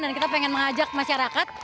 dan kita pengen mengajak masyarakat